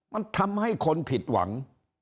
มันทำให้คนผิดหวัง